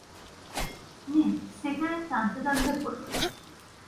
নিন, সিগারেট টানতে-টানতে বলুন।